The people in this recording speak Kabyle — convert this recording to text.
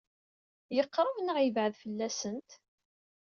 Yeqṛeb neɣ yebɛed fell-asent?